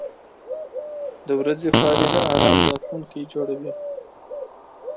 • د ورځې خواري د آرام راتلونکی جوړوي.